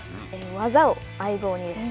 技を相棒にです。